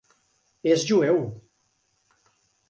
És jueu.